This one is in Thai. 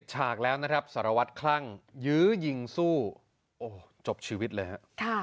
ฉากแล้วนะครับสารวัตรคลั่งยื้อยิงสู้โอ้โหจบชีวิตเลยฮะ